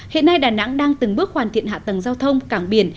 hiện nay đà nẵng đang từng bước hoàn thiện hạ tầng giao thông cảng biển